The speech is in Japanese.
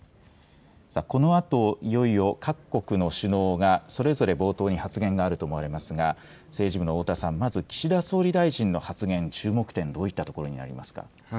このあと、いよいよ各国の首脳がそれぞれ冒頭に発言があると思われますが、政治部の太田さん、まず岸田総理大臣の発言、注目点、どういったところになりますか。